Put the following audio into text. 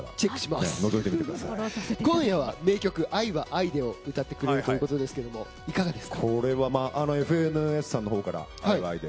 今夜は名曲「愛は愛で」を歌ってくれるということですがこれは「ＦＮＳ」さんの方から。